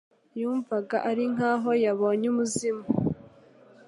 Yumvaga ari nk'aho yabonye umuzimu.